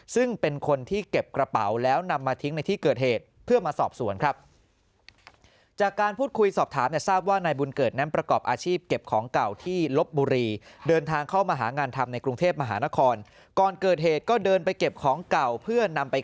ซึ่งเป็นคนที่เก็บกระเป๋าแล้วนำมาทิ้งในที่เกิดเหตุ